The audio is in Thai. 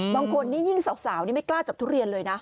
บางคนนี่ยิ่งสาวนี่ไม่กล้าจับทุเรียนเลยนะ